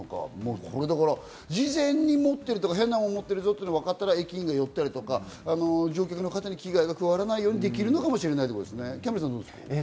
事前に持っているとか変なものを持っているってわかったら駅員が寄ったりとか、乗客の方に危害が加わらないようにできるということですね。